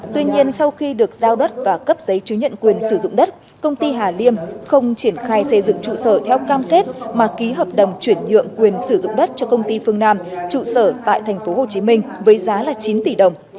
tuy nhiên sau khi được giao đất và cấp giấy chứng nhận quyền sử dụng đất công ty hà liêm không triển khai xây dựng trụ sở theo cam kết mà ký hợp đồng chuyển nhượng quyền sử dụng đất cho công ty phương nam trụ sở tại tp hcm với giá là chín tỷ đồng